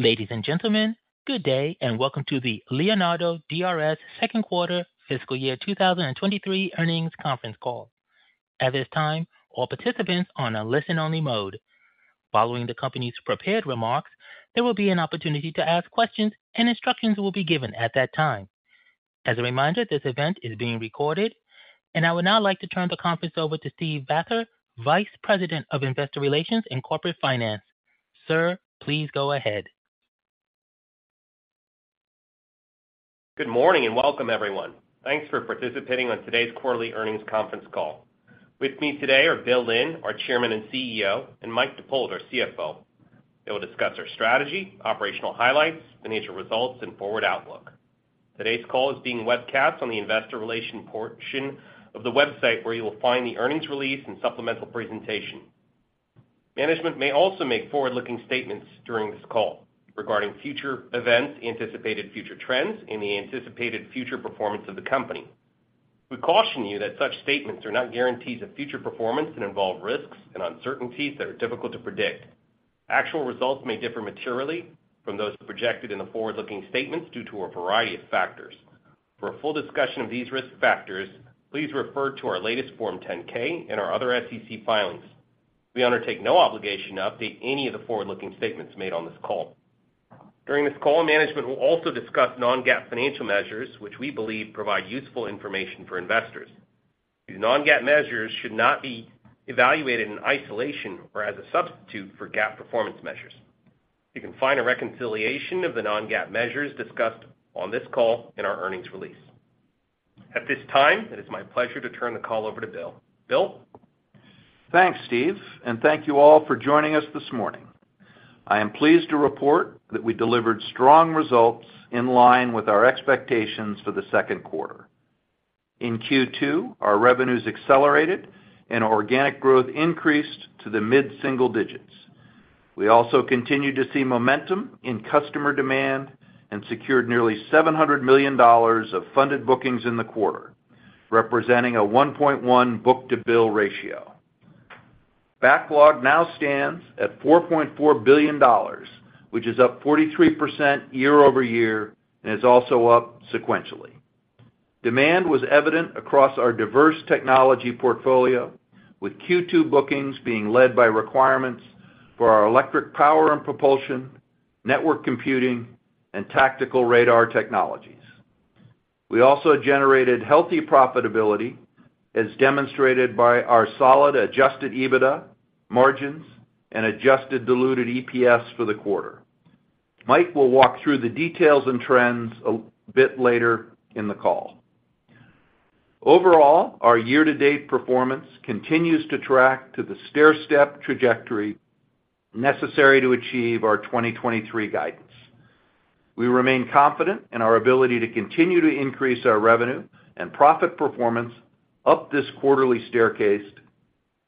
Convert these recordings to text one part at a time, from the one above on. Ladies and gentlemen, good day, and welcome to the Leonardo DRS second quarter fiscal year 2023 earnings conference call. At this time, all participants are on a listen-only mode. Following the company's prepared remarks, there will be an opportunity to ask questions, and instructions will be given at that time. As a reminder, this event is being recorded, and I would now like to turn the conference over to Steve Vather, Vice President of Investor Relations and Corporate Finance. Sir, please go ahead. Good morning, and welcome, everyone. Thanks for participating on today's quarterly earnings conference call. With me today are Bill Lynn, our Chairman and CEO, and Mike Dippold, our CFO. They will discuss our Strategy, Operational Highlights, Financial Results, and Forward Outlook. Today's call is being webcast on the Investor Relations portion of the website, where you will find the earnings release and supplemental presentation. Management may also make forward-looking statements during this call regarding future events, anticipated future trends, and the anticipated future performance of the company. We caution you that such statements are not guarantees of future performance and involve risks and uncertainties that are difficult to predict. Actual results may differ materially from those projected in the forward-looking statements due to a variety of factors. For a full discussion of these risk factors, please refer to our latest Form 10-K and our other SEC filings. We undertake no obligation to update any of the forward-looking statements made on this call. During this call, management will also discuss Non-GAAP financial measures, which we believe provide useful information for investors. These Non-GAAP measures should not be evaluated in isolation or as a substitute for GAAP performance measures. You can find a reconciliation of the Non-GAAP measures discussed on this call in our earnings release. At this time, it is my pleasure to turn the call over to Bill. Bill? Thanks, Steve. Thank you all for joining us this morning. I am pleased to report that we delivered strong results in line with our expectations for the second quarter. In Q2, our revenues accelerated and organic growth increased to the mid-single digits. We also continued to see momentum in customer demand and secured nearly $700 million of funded bookings in the quarter, representing a 1.1 book-to-bill ratio. Backlog now stands at $4.4 billion, which is up 43% year-over-year and is also up sequentially. Demand was evident across our diverse technology portfolio, with Q2 bookings being led by requirements for our electric power and propulsion, network computing, and tactical radar technologies. We also generated healthy profitability, as demonstrated by our solid Adjusted EBITDA margins and Adjusted Diluted EPS for the quarter. Mike will walk through the details and trends a bit later in the call. Overall, our year-to-date performance continues to track to the stairstep trajectory necessary to achieve our 2023 guidance. We remain confident in our ability to continue to increase our revenue and profit performance up this quarterly staircase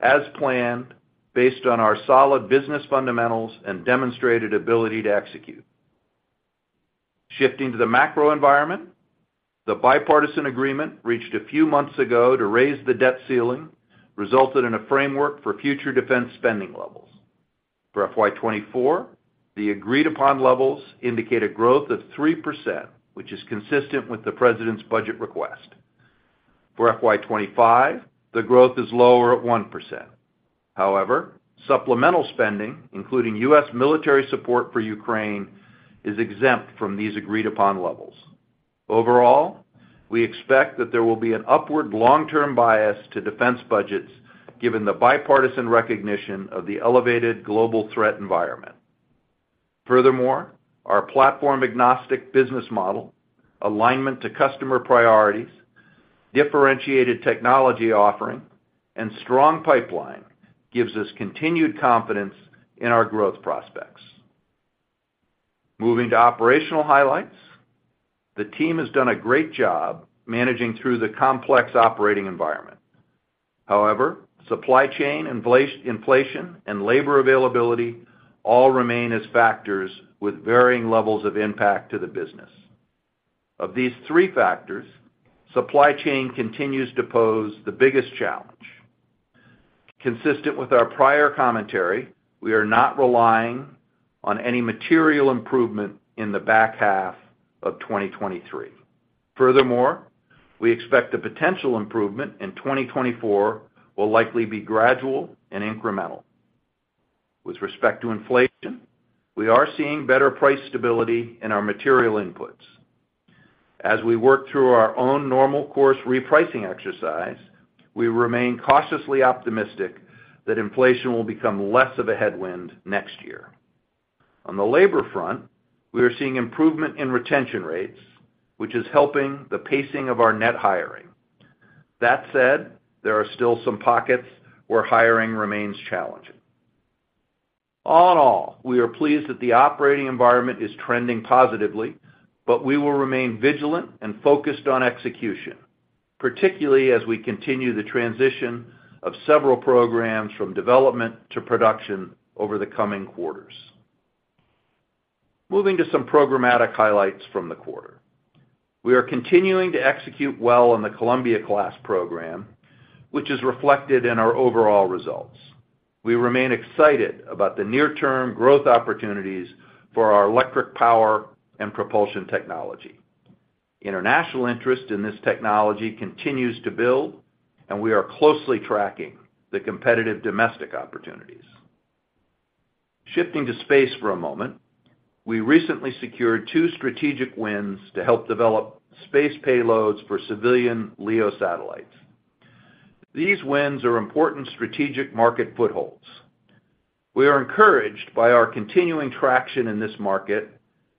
as planned, based on our solid business fundamentals and demonstrated ability to execute. Shifting to the macro environment, the bipartisan agreement, reached a few months ago to raise the debt ceiling, resulted in a framework for future defense spending levels. For FY 2024, the agreed-upon levels indicate a growth of 3%, which is consistent with the president's budget request. For FY 2025, the growth is lower at 1%. However, supplemental spending, including U.S. military support for Ukraine, is exempt from these agreed-upon levels. Overall, we expect that there will be an upward long-term bias to defense budgets, given the bipartisan recognition of the elevated global threat environment. Furthermore, our platform-agnostic business model, alignment to customer priorities, differentiated technology offering, and strong pipeline gives us continued confidence in our growth prospects. Moving to operational highlights. The Team has done a great job managing through the complex operating environment. However, supply chain inflation, and labor availability all remain as factors with varying levels of impact to the business. Of these three factors, supply chain continues to pose the biggest challenge. Consistent with our prior commentary, we are not relying on any material improvement in the back half of 2023. Furthermore, we expect a potential improvement in 2024 will likely be gradual and incremental. With respect to inflation, we are seeing better price stability in our material inputs. As we work through our own normal course repricing exercise, we remain cautiously optimistic that inflation will become less of a headwind next year. On the labor front, we are seeing improvement in retention rates, which is helping the pacing of our net hiring. That said, there are still some pockets where hiring remains challenging. All in all, we are pleased that the operating environment is trending positively, but we will remain vigilant and focused on execution, particularly as we continue the transition of several programs from development to production over the coming quarters. Moving to some programmatic highlights from the quarter. We are continuing to execute well on the Columbia-Class Program, which is reflected in our overall results. We remain excited about the near-term growth opportunities for our Electric Power and propulsion technology. International interest in this technology continues to build, and we are closely tracking the competitive domestic opportunities. Shifting to space for a moment, we recently secured two strategic wins to help develop space payloads for civilian LEO satellites. These wins are important strategic market footholds. We are encouraged by our continuing traction in this market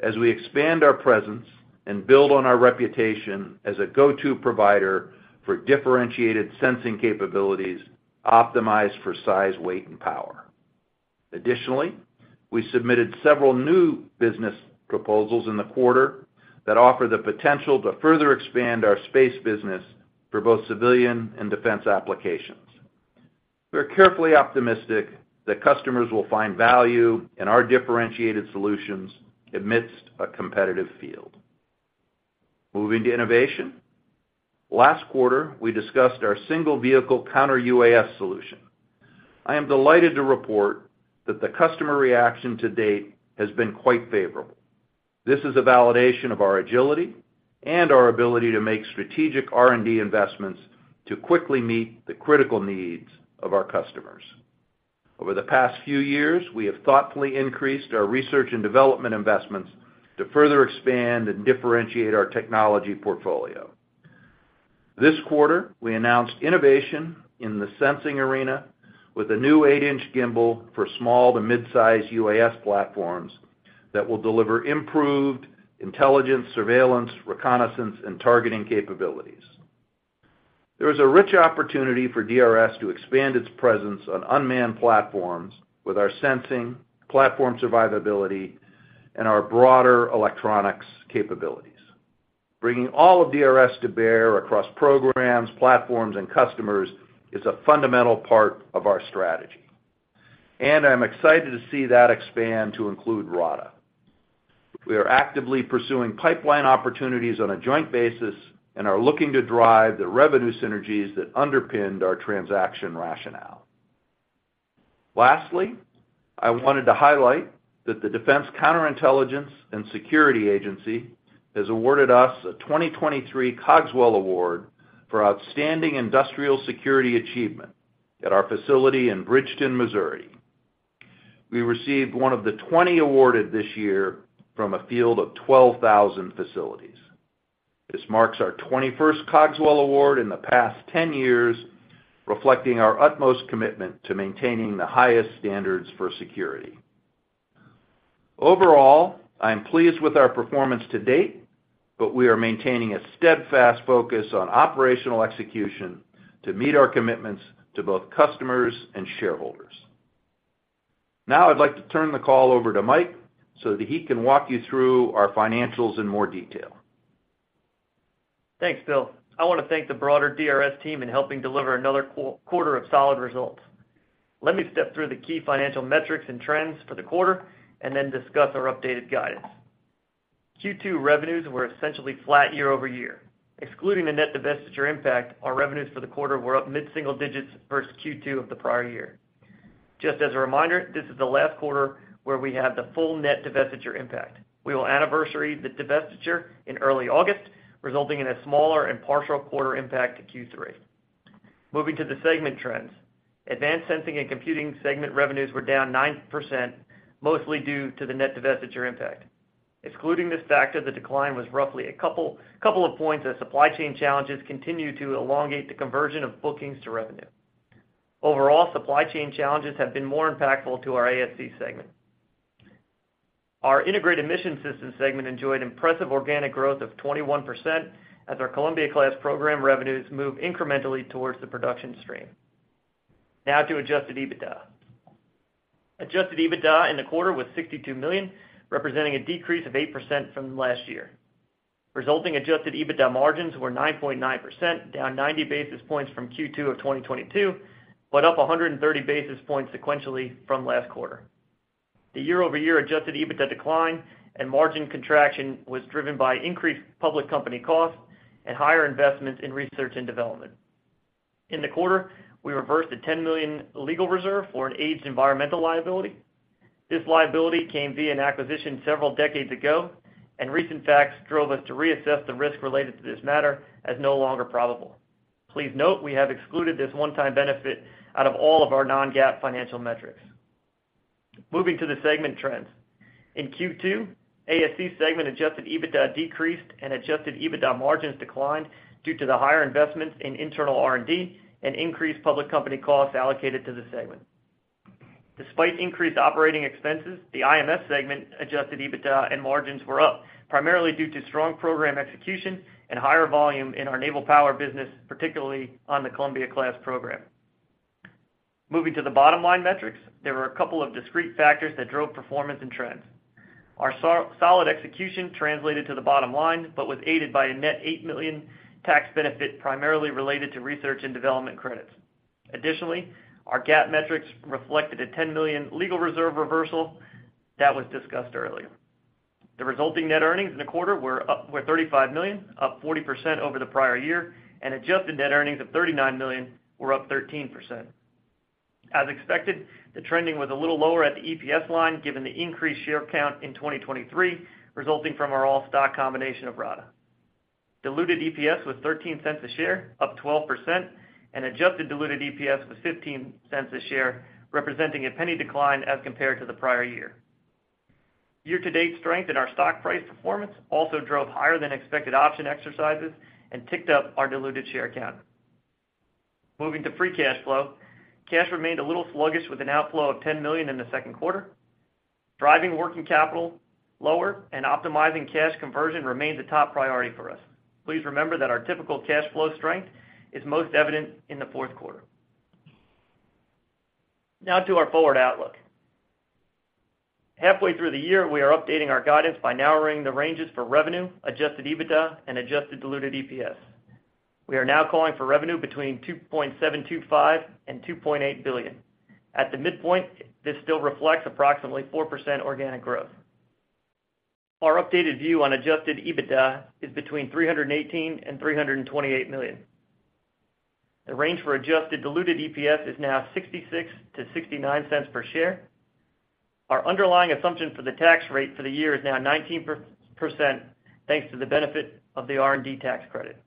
as we expand our presence and build on our reputation as a go-to provider for differentiated sensing capabilities, optimized for size, weight, and power. Additionally, we submitted several new business proposals in the quarter that offer the potential to further expand our space business for both civilian and defense applications. We're carefully optimistic that customers will find value in our differentiated solutions amidst a competitive field. Moving to innovation. Last quarter, we discussed our single vehicle Counter-UAS solution. I am delighted to report that the customer reaction to date has been quite favorable. This is a validation of our agility and our ability to make strategic R&D investments to quickly meet the critical needs of our customers. Over the past few years, we have thoughtfully increased our research and development investments to further expand and differentiate our technology portfolio. This quarter, we announced innovation in the sensing arena with a new 8-inch gimbal for small to mid-size UAS platforms that will deliver improved intelligence, surveillance, reconnaissance, and targeting capabilities. There is a rich opportunity for DRS to expand its presence on unmanned platforms with our sensing, platform survivability, and our broader electronics capabilities. Bringing all of DRS to bear across programs, platforms, and customers is a fundamental part of our strategy, and I'm excited to see that expand to include RADA. We are actively pursuing pipeline opportunities on a joint basis and are looking to drive the revenue synergies that underpinned our transaction rationale. Lastly, I wanted to highlight that the Defense Counterintelligence and Security Agency has awarded us a 2023 Cogswell Award for Outstanding Industrial Security Achievement at our facility in Bridgeton, Missouri. We received one of the 20 awarded this year from a field of 12,000 facilities. This marks our 21st Cogswell Award in the past 10 years, reflecting our utmost commitment to maintaining the highest standards for security. Overall, I am pleased with our performance to date, but we are maintaining a steadfast focus on operational execution to meet our commitments to both customers and shareholders. Now, I'd like to turn the call over to Mike, so that he can walk you through our financials in more detail. Thanks, Bill. I want to thank the broader DRS team in helping deliver another quarter of solid results. Let me step through the key financial metrics and trends for the quarter, and then discuss our updated guidance. Q2 revenues were essentially flat year-over-year. Excluding the net divestiture impact, our revenues for the quarter were up mid-single digits versus Q2 of the prior year. Just as a reminder, this is the last quarter where we have the full net divestiture impact. We will anniversary the divestiture in early August, resulting in a smaller and partial quarter impact to Q3. Moving to the segment trends. Advanced Sensing and Computing segment revenues were down 9%, mostly due to the net divestiture impact. Excluding this factor, the decline was roughly a couple of points as supply chain challenges continue to elongate the conversion of bookings to revenue. Overall, supply chain challenges have been more impactful to our ASC segment. Our Integrated Mission Systems segment enjoyed impressive organic growth of 21% as our Columbia-class program revenues move incrementally towards the production stream. Now to Adjusted EBITDA. Adjusted EBITDA in the quarter was $62 million, representing a decrease of 8% from last year. Resulting Adjusted EBITDA margins were 9.9%, down 90 basis points from Q2 of 2022, but up 130 basis points sequentially from last quarter. The year-over-year Adjusted EBITDA decline and margin contraction was driven by increased public company costs and higher investments in research and development. In the quarter, we reversed a $10 million legal reserve for an aged environmental liability. This liability came via an acquisition several decades ago, and recent facts drove us to reassess the risk related to this matter as no longer probable. Please note, we have excluded this one-time benefit out of all of our Non-GAAP financial metrics. Moving to the segment trends. In Q2, ASC segment Adjusted EBITDA decreased and Adjusted EBITDA margins declined due to the higher investments in internal R&D and increased public company costs allocated to the segment. Despite increased operating expenses, the IMS segment Adjusted EBITDA and margins were up, primarily due to strong program execution and higher volume in our naval power business, particularly on the Columbia-class program. Moving to the bottom line metrics. There were a couple of discrete factors that drove performance and trends. Our solid execution translated to the bottom line, but was aided by a net $8 million tax benefit, primarily related to research and development credits. Additionally, our GAAP metrics reflected a $10 million legal reserve reversal that was discussed earlier. The resulting net earnings in the quarter were $35 million, up 40% over the prior year. Adjusted net earnings of $39 million were up 13%. As expected, the trending was a little lower at the EPS line, given the increased share count in 2023, resulting from our all-stock combination of RADA. Diluted EPS was $0.13 a share, up 12%. Adjusted Diluted EPS was $0.15 a share, representing a $0.01 decline as compared to the prior year. Year-to-date strength in our stock price performance also drove higher than expected option exercises and ticked up our diluted share count. Moving to free cash flow. Cash remained a little sluggish with an outflow of $10 million in the second quarter. Driving working capital lower and optimizing cash conversion remains a top priority for us. Please remember that our typical cash flow strength is most evident in the fourth quarter. Now to our forward outlook. Halfway through the year, we are updating our guidance by narrowing the ranges for revenue, Adjusted EBITDA, and Adjusted Diluted EPS. We are now calling for revenue between $2.725 billion and $2.8 billion. At the midpoint, this still reflects approximately 4% organic growth. Our updated view on Adjusted EBITDA is between $318 million and $328 million. The range for Adjusted Diluted EPS is now $0.66-$0.69 per share. Our underlying assumption for the tax rate for the year is now 19%, thanks to the benefit of the R&D tax credit.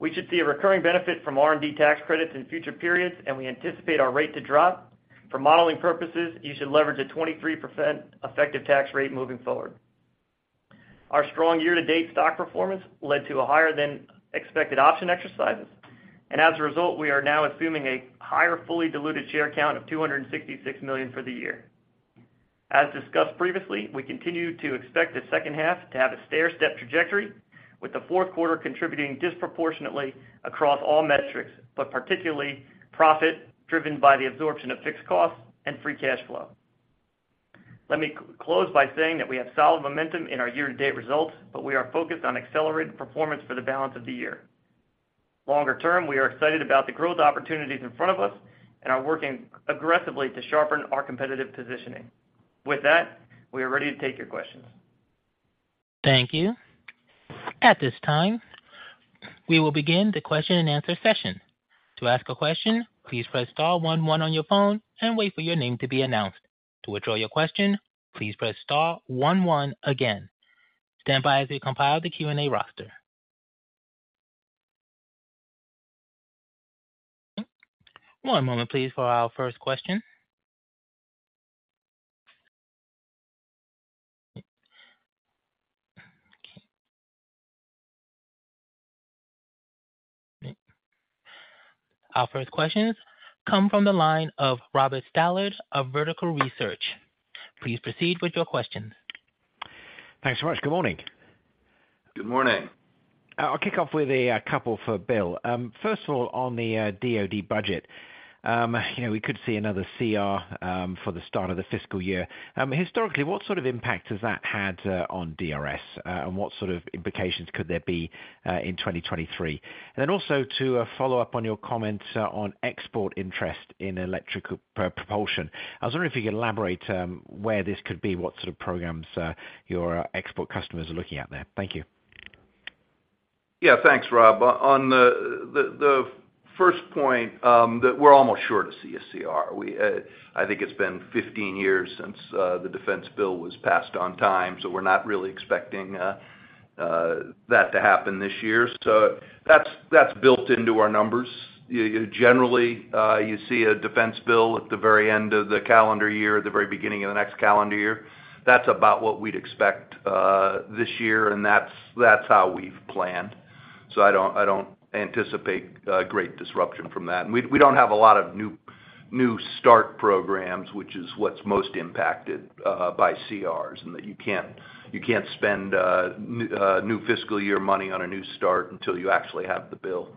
We should see a recurring benefit from R&D tax credits in future periods, and we anticipate our rate to drop. For modeling purposes, you should leverage a 23% effective tax rate moving forward. Our strong year-to-date stock performance led to a higher than expected option exercises, as a result, we are now assuming a higher fully diluted share count of 266 million for the year. As discussed previously, we continue to expect the second half to have a stairstep trajectory, with the fourth quarter contributing disproportionately across all metrics, particularly profit, driven by the absorption of fixed costs and free cash flow. Let me close by saying that we have solid momentum in our year-to-date results, we are focused on accelerated performance for the balance of the year. Longer term, we are excited about the growth opportunities in front of us and are working aggressively to sharpen our competitive positioning. With that, we are ready to take your questions. Thank you. At this time, we will begin the question-and-answer session. To ask a question, please press star one one on your phone and wait for your name to be announced. To withdraw your question, please press star one one again. Stand by as we compile the Q&A roster. One moment, please, for our first question. Okay. Our first questions come from the line of Robert Stallard of Vertical Research. Please proceed with your question. Thanks so much. Good morning. Good morning. I'll kick off with a couple for Bill. First of all, on the DoD budget, you know, we could see another CR for the start of the fiscal year. Historically, what sort of impact has that had on DRS? What sort of implications could there be in 2023? Then also to follow up on your comments on export interest in electric propulsion. I was wondering if you could elaborate, where this could be, what sort of programs your export customers are looking at there. Thank you. Yeah, thanks, Rob. On the first point, that we're almost sure to see a CR. We, I think it's been 15 years since the defense bill was passed on time, so we're not really expecting that to happen this year. That's, that's built into our numbers. Generally, you see a defense bill at the very end of the calendar year, or the very beginning of the next calendar year. That's about what we'd expect this year, and that's, that's how we've planned. I don't, I don't anticipate a great disruption from that. We, we don't have a lot of new, new start programs, which is what's most impacted by CRs, and that you can't, you can't spend new fiscal year money on a new start until you actually have the bill.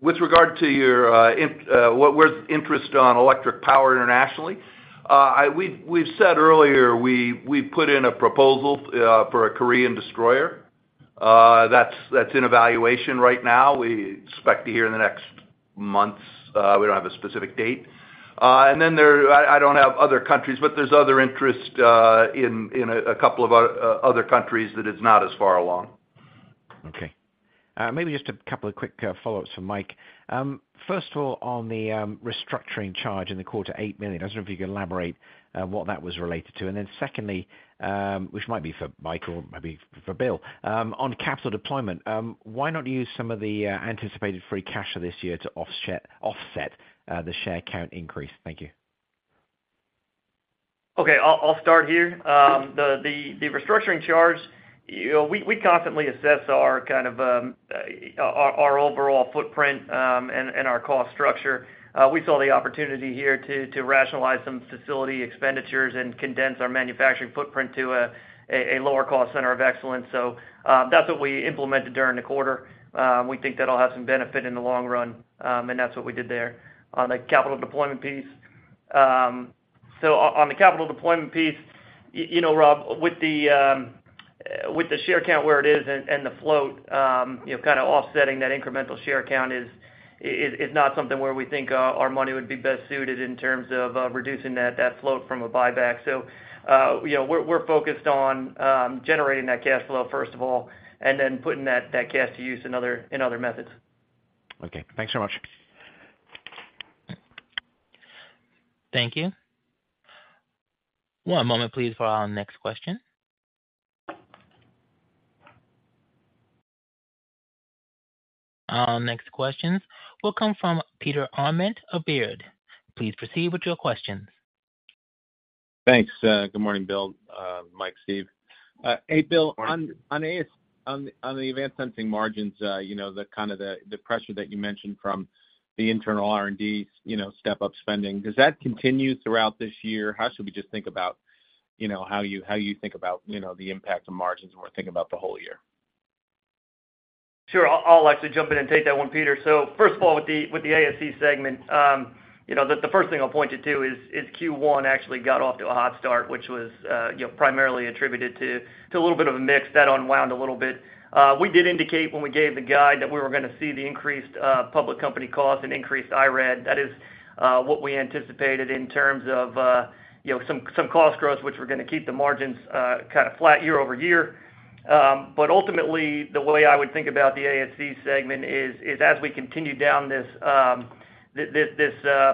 With regard to your, where's interest on electric power internationally, I-- we've, we've said earlier, we, we put in a proposal for a Korean destroyer. That's, that's in evaluation right now. We expect to hear in the next months, we don't have a specific date. Then there... I, I don't have other countries, but there's other interest in, in a, a couple of o- other countries that is not as far along. Okay. Maybe just a couple of quick follow-ups from Mike. First of all, on the restructuring charge in the quarter, $8 million, I don't know if you can elaborate what that was related to. Secondly, which might be for Mike or maybe for Bill, on capital deployment, why not use some of the anticipated free cash for this year to offset, offset the share count increase? Thank you. Okay, I'll, I'll start here. The restructuring charge, you know, we, we constantly assess our kind of, our, our overall footprint, and, and our cost structure. We saw the opportunity here to, to rationalize some facility expenditures and condense our manufacturing footprint to a lower cost center of excellence. That's what we implemented during the quarter. We think that'll have some benefit in the long run, that's what we did there. On the capital deployment piece, on the capital deployment piece, you know, Robert Stallard, with the. with the share count where it is and, and the float, you know, kind of offsetting that incremental share count is, is, is not something where we think our money would be best suited in terms of reducing that, that float from a buyback. You know, we're, we're focused on generating that cash flow, first of all, and then putting that, that cash to use in other, in other methods. Okay, thanks so much. Thank you. One moment, please, for our next question. Our next question will come from Peter Arment of Baird. Please proceed with your questions. Thanks. Good morning, Bill, Mike, Steve. Hey, Bill, on, on the Advanced Sensing margins, you know, the kind of the, the pressure that you mentioned from the internal IR&D, you know, step up spending, does that continue throughout this year? How should we just think about, you know, how you, how you think about, you know, the impact on margins when we're thinking about the whole year? Sure. I'll, I'll actually jump in and take that one, Peter. First of all, with the, with the ASC segment, you know, the, the first thing I'll point you to is, is Q1 actually got off to a hot start, which was, you know, primarily attributed to, to a little bit of a mix that unwound a little bit. We did indicate when we gave the guide that we were gonna see the increased public company costs and increased IR&D. That is what we anticipated in terms of, you know, some, some cost growth, which we're gonna keep the margins kind of flat year-over-year. Ultimately, the way I would think about the ASC segment is, as we continue down this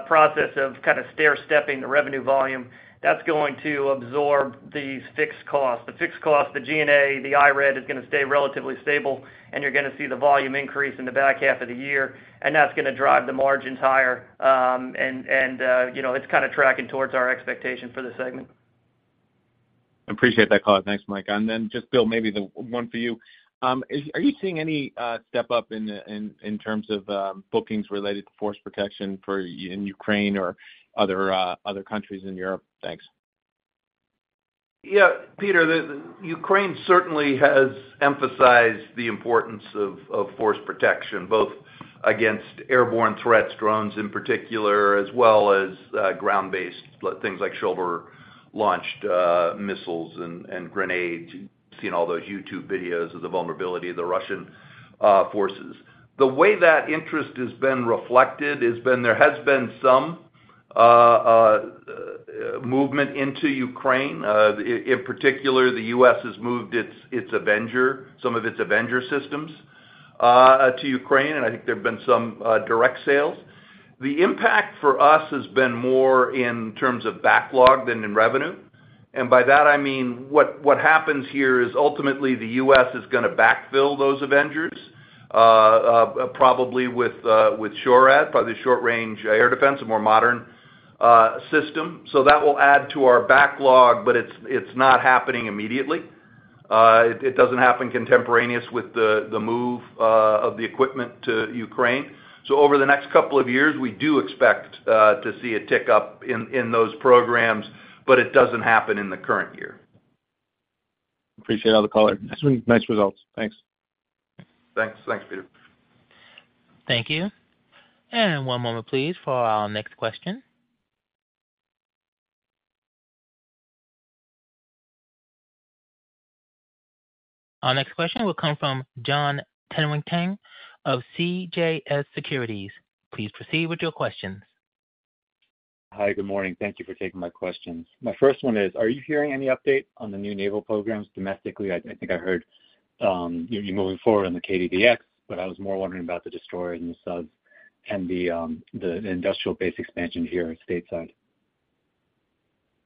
process of kind of stair stepping the revenue volume, that's going to absorb these fixed costs. The fixed costs, the G&A, the IR&D, is gonna stay relatively stable, and you're gonna see the volume increase in the back half of the year, and that's gonna drive the margins higher. You know, it's kind of tracking towards our expectation for the segment. Appreciate that color. Thanks, Mike. Just, Bill, maybe the one for you. Are you seeing any step up in, in, in terms of bookings related to force protection for, in Ukraine or other, other countries in Europe? Thanks. Yeah, Peter, Ukraine certainly has emphasized the importance of force protection, both against airborne threats, drones in particular, as well as ground-based, things like shoulder-launched missiles and grenades. You've seen all those YouTube videos of the vulnerability of the Russian forces. The way that interest has been reflected, has been there has been some movement into Ukraine. In particular, the U.S. has moved its Avenger, some of its Avenger systems to Ukraine, and I think there have been some direct sales. The impact for us has been more in terms of backlog than in revenue. By that, I mean, what happens here is ultimately, the U.S. is gonna backfill those Avengers probably with SHORAD, by the Short Range Air Defense, a more modern system. That will add to our backlog, but it's, it's not happening immediately. It, it doesn't happen contemporaneous with the, the move of the equipment to Ukraine. Over the next couple of years, we do expect to see a tick up in, in those programs, but it doesn't happen in the current year. Appreciate all the color. Nice results. Thanks. Thanks. Thanks, Peter. Thank you. One moment, please, for our next question. Our next question will come from Jon Tanwanteng of CJS Securities. Please proceed with your questions. Hi, good morning. Thank you for taking my questions. My first one is, are you hearing any update on the new naval programs domestically? I think I heard you're moving forward on the KDDX, but I was more wondering about the destroyer and the subs and the industrial base expansion here stateside.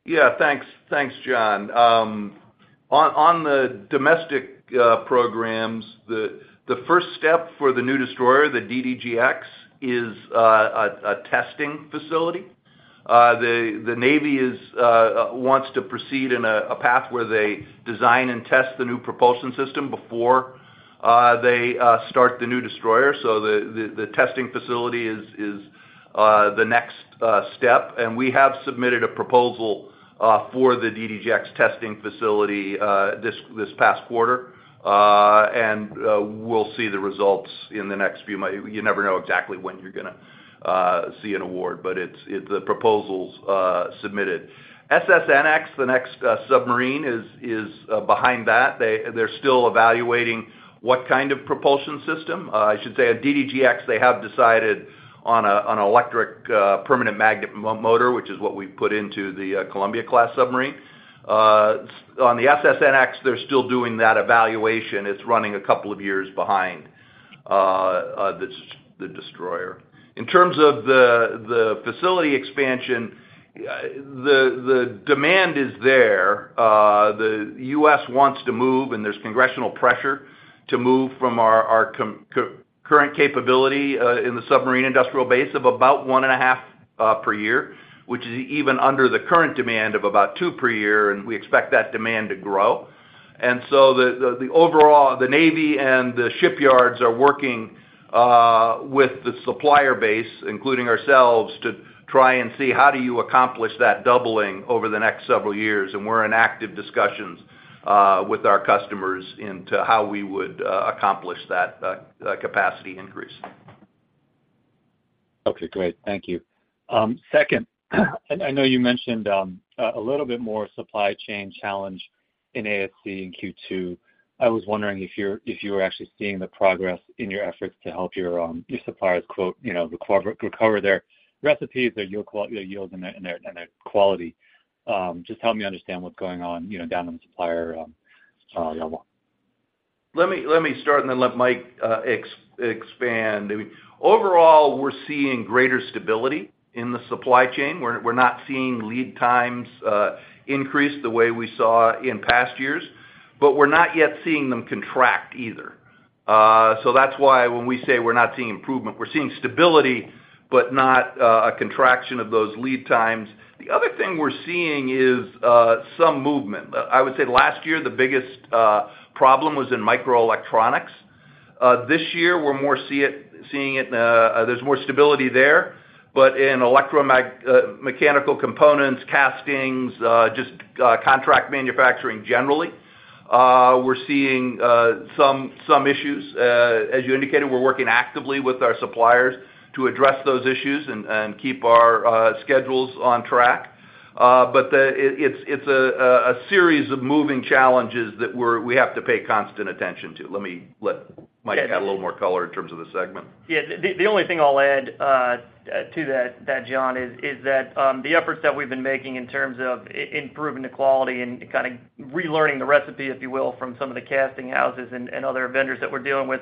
Yeah, thanks. Thanks, Jon. On the domestic programs, the first step for the new destroyer, the DDGX, is a testing facility. The Navy wants to proceed in a path where they design and test the new propulsion system before they start the new destroyer. The testing facility is the next step. We have submitted a proposal for the DDGX testing facility this past quarter. We'll see the results in the next few months. You never know exactly when you're gonna see an award, but the proposal's submitted. SSNX, the next submarine, is behind that. They're still evaluating what kind of propulsion system. I should say at DDG(X), they have decided on an electric permanent magnet motor, which is what we put into the Columbia-class submarine. On the SSN(X), they're still doing that evaluation. It's running a couple of years behind the destroyer. In terms of the facility expansion, the demand is there. The U.S. wants to move, and there's congressional pressure to move from our current capability in the submarine industrial base of about 1.5 per year, which is even under the current demand of about two per year, and we expect that demand to grow. The overall, the Navy and the shipyards are working with the supplier base, including ourselves, to try and see how do you accomplish that doubling over the next several years. We're in active discussions, with our customers into how we would accomplish that capacity increase. Okay, great. Thank you. Second, I know you mentioned a little bit more supply chain challenge in ASC in Q2. I was wondering if you were actually seeing the progress in your efforts to help your suppliers quote, you know, recover, recover their recipes, their yield and their quality. Just help me understand what's going on, you know, down in the supplier level. Let me, let me start and then let Mike expand. Overall, we're seeing greater stability in the supply chain. We're, we're not seeing lead times increase the way we saw in past years, but we're not yet seeing them contract either. That's why when we say we're not seeing improvement, we're seeing stability, but not a contraction of those lead times. The other thing we're seeing is some movement. I would say last year, the biggest problem was in microelectronics. This year, we're more seeing it, there's more stability there. In electromechanical components, castings, just contract manufacturing generally, we're seeing some issues. As you indicated, we're working actively with our suppliers to address those issues and keep our schedules on track. The, it, it's, it's a, a series of moving challenges that we have to pay constant attention to. Let me let Mike add a little more color in terms of the segment. Yeah, the, the only thing I'll add to that, that, Jon, is, is that the efforts that we've been making in terms of improving the quality and kind of relearning the recipe, if you will, from some of the casting houses and, and other vendors that we're dealing with,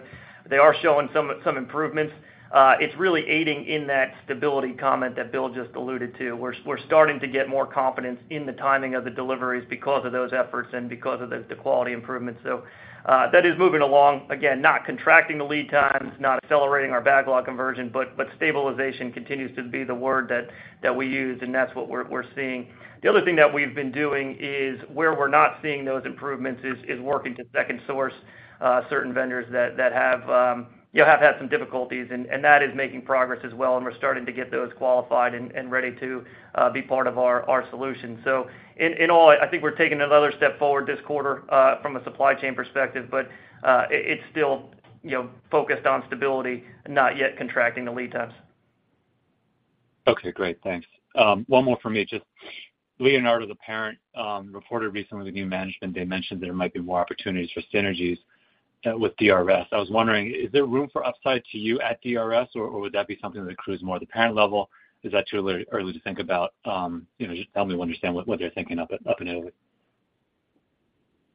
they are showing some, some improvements. It's really aiding in that stability comment that Bill Lynn just alluded to. We're, we're starting to get more confidence in the timing of the deliveries because of those efforts and because of the, the quality improvements. So, that is moving along. Again, not contracting the lead times, not accelerating our backlog conversion, but, but stabilization continues to be the word that, that we use, and that's what we're, we're seeing. The other thing that we've been doing is, where we're not seeing those improvements, is working to second source, certain vendors that have had some difficulties, and that is making progress as well, and we're starting to get those qualified and ready to be part of our solution. In all, I think we're taking another step forward this quarter, from a supply chain perspective, but it's still, you know, focused on stability, not yet contracting the lead times. Okay, great. Thanks. One more for me. Just Leonardo, the parent, reported recently with the new management, they mentioned there might be more opportunities for synergies with DRS. I was wondering, is there room for upside to you at DRS, or, or would that be something that accrues more at the parent level? Is that too early, early to think about? You know, just help me understand what, what they're thinking up at, up in Italy.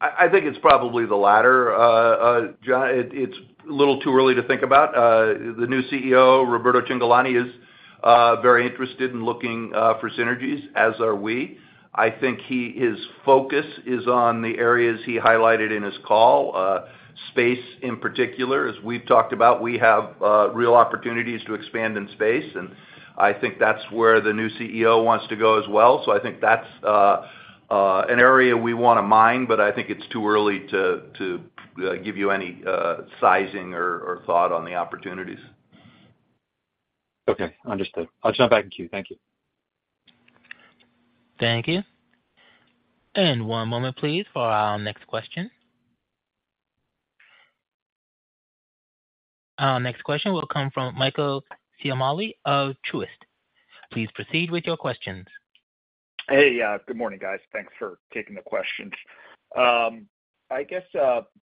I, I think it's probably the latter. John, it's a little too early to think about. The new CEO, Roberto Cingolani, is very interested in looking for synergies, as are we. I think his focus is on the areas he highlighted in his call, space in particular. As we've talked about, we have real opportunities to expand in space, and I think that's where the new CEO wants to go as well. So I think that's an area we want to mine, but I think it's too early to give you any sizing or thought on the opportunities. Okay, understood. I'll jump back in queue. Thank you. Thank you. One moment, please, for our next question. Our next question will come from Michael Ciarmoli of Truist. Please proceed with your questions. Hey, good morning, guys. Thanks for taking the questions. I guess,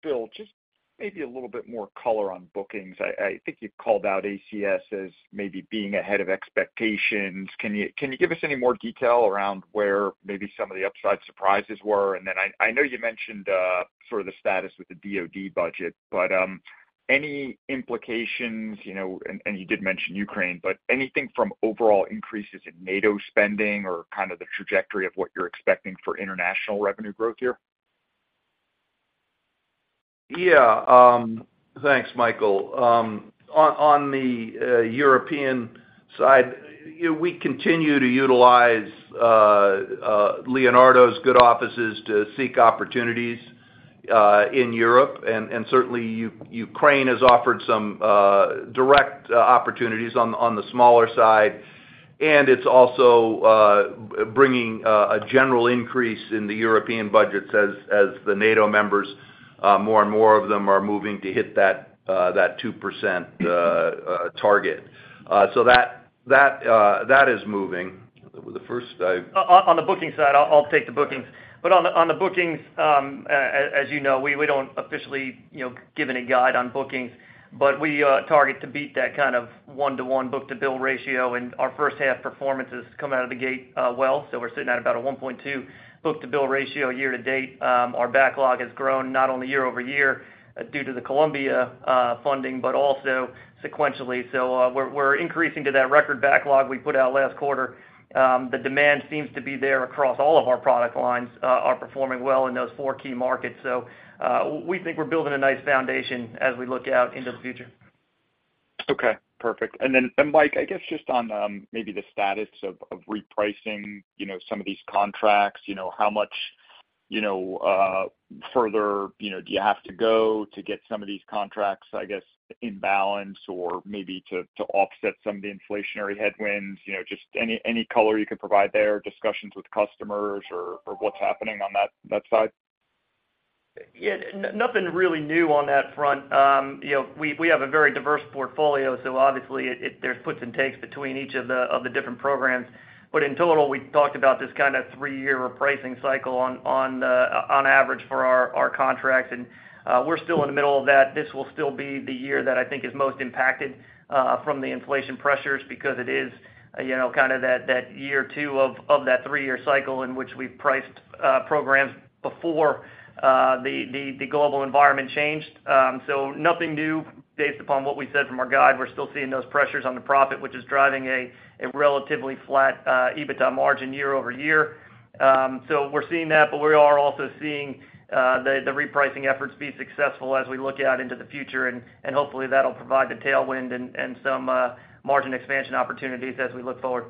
Bill, just maybe a little bit more color on bookings. I, I think you called out ACS as maybe being ahead of expectations. Can you, can you give us any more detail around where maybe some of the upside surprises were? I, I know you mentioned, sort of the status with the DoD budget, but any implications, you know, and, and you did mention Ukraine, but anything from overall increases in NATO spending or kind of the trajectory of what you're expecting for international revenue growth here? Yeah, thanks, Michael. On, on the European side, we continue to utilize Leonardo's good offices to seek opportunities in Europe, and certainly, Ukraine has offered some direct opportunities on the smaller side. It's also bringing a general increase in the European budgets as the NATO members, more and more of them are moving to hit that 2% target. That, that is moving. The first I- On the bookings side, I'll take the bookings. On the bookings, as you know, we don't officially, you know, give any guide on bookings, but we target to beat that kind of one to one book-to-bill ratio, and our first half performances come out of the gate well. We're sitting at about a 1.2 book-to-bill ratio year to date. Our backlog has grown not only year-over-year, due to the Columbia funding, but also sequentially. We're increasing to that record backlog we put out last quarter. The demand seems to be there across all of our product lines, are performing well in those 4 key markets. We think we're building a nice foundation as we look out into the future. Okay, perfect. Then, and Mike, I guess just on, maybe the status of, of repricing, you know, some of these contracts, you know, how much, you know, further, you know, do you have to go to get some of these contracts, I guess, in balance or maybe to, to offset some of the inflationary headwinds? You know, just any, any color you could provide there, discussions with customers or, or what's happening on that, that side? Yeah, nothing really new on that front. You know, we have a very diverse portfolio, so obviously it, there's puts and takes between each of the different programs. In total, we talked about this kind of three-year repricing cycle on average for our contracts, and we're still in the middle of that. This will still be the year that I think is most impacted from the inflation pressures because it is, you know, kind of that year two of that three-year cycle in which we priced programs before the global environment changed. Nothing new based upon what we said from our guide. We're still seeing those pressures on the profit, which is driving a relatively flat EBITDA margin year-over-year. We're seeing that, we are also seeing the repricing efforts be successful as we look out into the future, and hopefully, that'll provide the tailwind and some margin expansion opportunities as we look forward.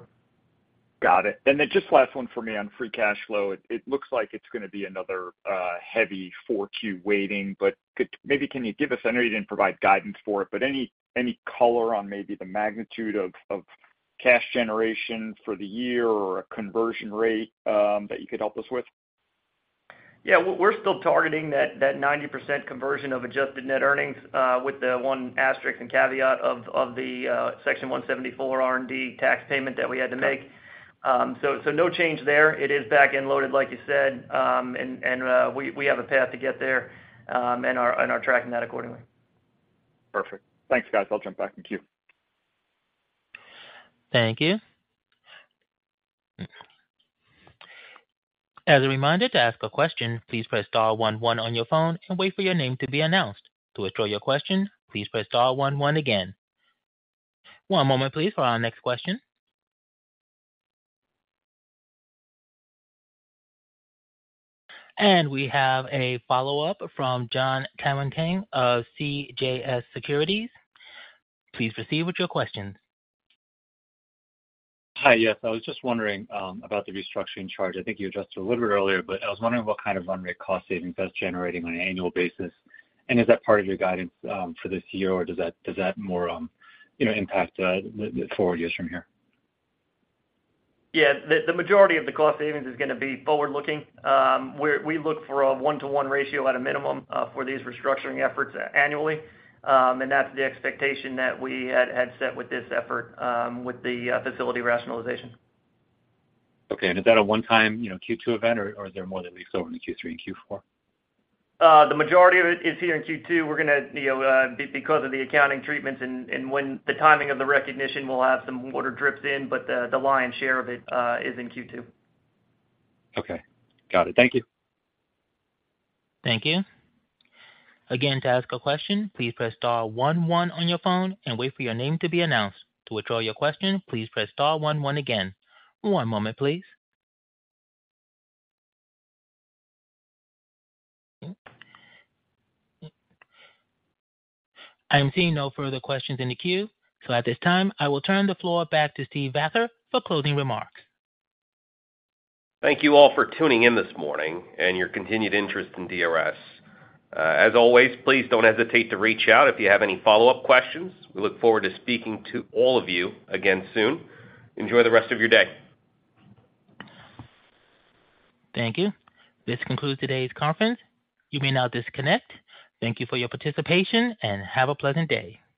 Got it. Then just last one for me on free cash flow. It looks like it's gonna be another heavy Q4 waiting, but maybe can you give us, I know you didn't provide guidance for it, but any color on maybe the magnitude of cash generation for the year or a conversion rate that you could help us with? Yeah. We're still targeting that, that 90% conversion of adjusted net earnings, with the one asterisk and caveat of the, Section 174 R&D tax payment that we had to make. Got it. So no change there. It is back-end loaded, like you said. And we have a path to get there, and are tracking that accordingly. Perfect. Thanks, guys. I'll jump back in the queue. Thank you. As a reminder, to ask a question, please press star one one on your phone and wait for your name to be announced. To withdraw your question, please press star one one again. One moment, please, for our next question. And we have a follow-up from Jon Tanwanteng of CJS Securities. Please proceed with your questions. Hi. Yes, I was just wondering about the restructuring charge. I think you addressed it a little bit earlier, but I was wondering what kind of run rate cost savings that's generating on an annual basis. Is that part of your guidance for this year, or does that more, you know, impact the four years from here? Yeah. The majority of the cost savings is gonna be forward-looking. We look for a one to one ratio at a minimum for these restructuring efforts annually. That's the expectation that we had, had set with this effort with the facility rationalization. Okay. Is that a one-time, you know, Q2 event, or is there more that leaks over into Q3 and Q4? The majority of it is here in Q2. We're gonna, you know, because of the accounting treatments and, and when the timing of the recognition, we'll have some water drips in, but the, the lion's share of it is in Q2. Okay. Got it. Thank you. Thank you. Again, to ask a question, please press star one one on your phone and wait for your name to be announced. To withdraw your question, please press star one one again. One moment, please. I'm seeing no further questions in the queue, at this time, I will turn the floor back to Steve Vather for closing remarks. Thank you all for tuning in this morning and your continued interest in DRS. As always, please don't hesitate to reach out if you have any follow-up questions. We look forward to speaking to all of you again soon. Enjoy the rest of your day. Thank you. This concludes today's conference. You may now disconnect. Thank you for your participation, and have a pleasant day.